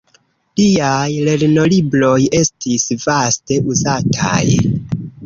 Liaj lernolibroj estis vaste uzataj.